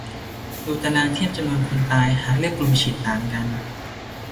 ดูตารางเทียบจำนวนคนตายหากเลือกกลุ่มฉีดต่างกัน